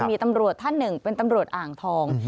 มีตำรวจท่านหนึ่งเป็นตำรวจอ่างทอง